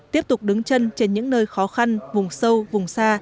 tiếp tục đứng chân trên những nơi khó khăn vùng sâu vùng xa